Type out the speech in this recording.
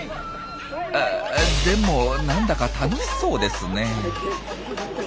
あでもなんだか楽しそうですねえ。